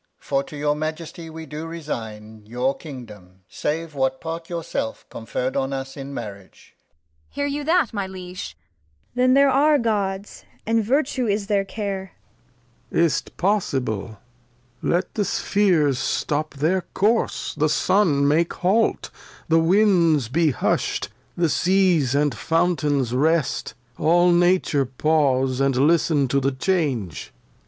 For to your Majesty we do resign Your Kingdom, save what Part your self conferr'd On us in Marriage. Kent. Hear you that, my Liege ? Cord. T hgn t here are Gods^ and Vertue is their Care. Lear. Is't Possible ? Let the Spheres stop their Course, the Sun make Hault, The Winds be husht, the Seas and Fountains rest ; All Nature pause, and listen to the Change.